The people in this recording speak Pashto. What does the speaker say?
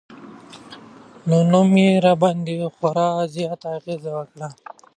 نو نوم يې راباندې خوړا زيات اغېز وکړ